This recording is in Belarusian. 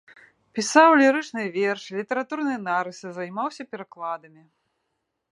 Пісаў лірычныя вершы, літаратурныя нарысы, займаўся перакладамі.